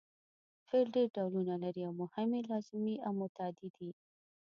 فعل ډېر ډولونه لري او مهم یې لازمي او متعدي دي.